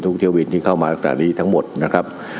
ทุกเที่ยววิทย์ที่เข้ามาจากตรงนี้ทั้งหมดนะครับ